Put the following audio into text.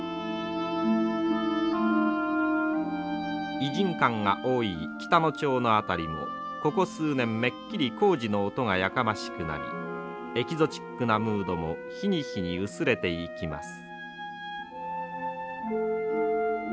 異人館が多い北野町の辺りもここ数年めっきり工事の音がやかましくなりエキゾチックなムードも日に日に薄れていきます。